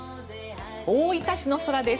大分市の空です。